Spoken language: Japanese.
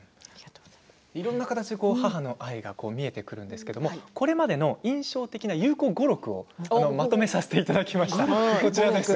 いろいろな形で母の愛が見えてくるんですけれどもこれまでの印象的な優子語録をまとめさせていただきました。